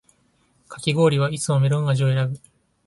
かき氷はいつもメロン味を選ぶ